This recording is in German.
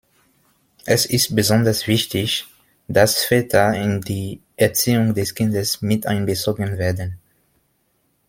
Es ist besonders wichtig, dass Väter in die Erziehung des Kindes miteinbezogen werden.